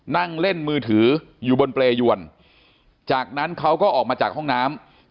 นั่งเล่นมือถืออยู่บนเปรยวนจากนั้นเขาก็ออกมาจากห้องน้ำ